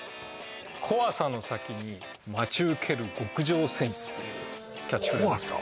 「怖さの先に待ち受ける極上泉質」というキャッチフレーズ怖さ？